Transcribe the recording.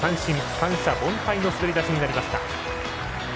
三者凡退の滑り出しとなりました。